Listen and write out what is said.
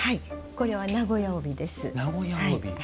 これは名古屋帯です。